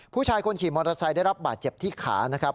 ผู้ชายคนขี่มอเตอร์ไซค์ได้รับบาดเจ็บที่ขานะครับ